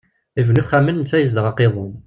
Ibennu ixxamen, netta yezdeɣ aqiḍun.